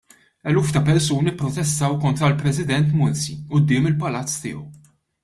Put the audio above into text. Eluf ta' persuni pprotestaw kontra l-President Mursi quddiem il-palazz tiegħu.